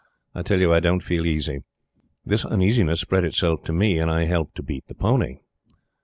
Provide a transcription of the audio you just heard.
I tell you, I don't feel easy." This uneasiness spread itself to me, and I helped to beat the pony.